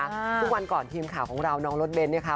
ทุกวันก่อนทีมข่าวของเราน้องรถเน้นเนี่ยค่ะ